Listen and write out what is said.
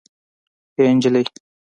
اي نجلۍ